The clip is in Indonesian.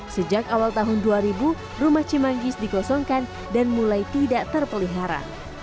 sejak awal tahun dua ribu rumah cimanggis dikosongkan dan mulai tidak terpelihara